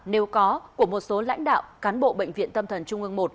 nếu có của một số lãnh đạo cán bộ bệnh viện tâm thần trung ương một